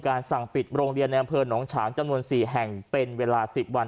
สั่งปิดโรงเรียนในอำเภอหนองฉางจำนวน๔แห่งเป็นเวลา๑๐วัน